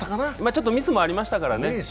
ちょっとミスもありましたからね。